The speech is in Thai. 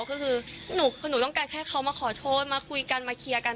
ก็คือหนูต้องการแค่เขามาขอโทษมาคุยกันมาเคลียร์กัน